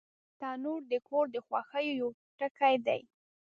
تنور د کور د خوښیو یو ټکی دی